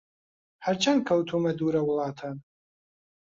هەرچەن کەوتوومە دوورە وڵاتان